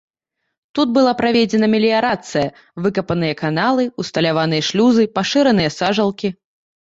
Тут была праведзена меліярацыя, выкапаныя каналы, усталяваныя шлюзы, пашыраныя сажалкі.